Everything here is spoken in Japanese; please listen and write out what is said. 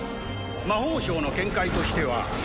「魔法省の見解としては」